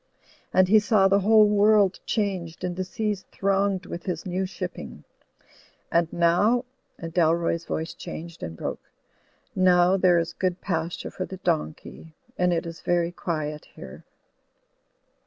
And he saw the whole world changed and the seas thronged with his new shipping; and now," and Dalroy's voice changed and broke, "now there is good pasture for the donkey and it is very quiet here."